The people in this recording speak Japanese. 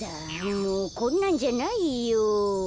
もうこんなんじゃないよ。